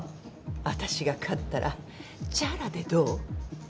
私が勝ったらチャラでどう？